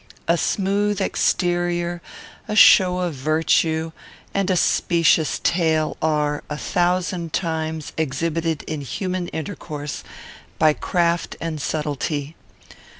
A smooth exterior, a show of virtue, and a specious tale, are, a thousand times, exhibited in human intercourse by craft and subtlety.